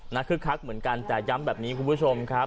คึกคักเหมือนกันแต่ย้ำแบบนี้คุณผู้ชมครับ